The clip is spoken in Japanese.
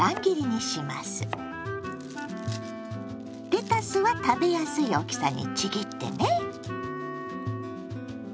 レタスは食べやすい大きさにちぎってね。